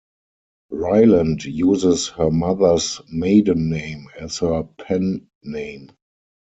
Rylant uses her mother's maiden name as her pen name.